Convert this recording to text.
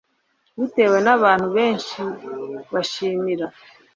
bitewe n abantu benshi bashimira